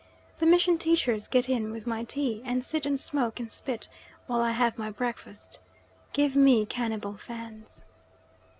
The mission teachers get in with my tea, and sit and smoke and spit while I have my breakfast. Give me cannibal Fans!